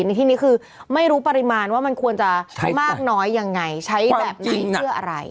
ในที่นี้คือไม่รู้ปริมาณว่ามันควรจะมากน้อยยังไงใช้แบบไหนเพื่ออะไร